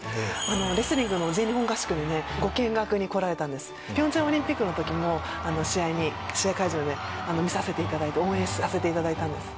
レスリングの全日本合宿でねご見学に来られたんです平昌オリンピックのときも試合会場で見させていただいて応援させていただいたんです